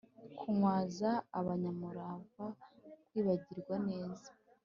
kumwaza abanyamurava, kwibagirwa ineza,